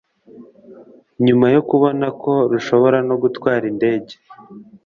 nyuma yo kubona ko rushobora no gutwara indege